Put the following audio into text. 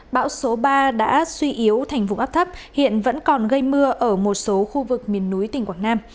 bão số ba đã suy yếu thành vùng áp thấp hiện vẫn còn gây mưa ở một số khu vực miền núi tỉnh quảng nam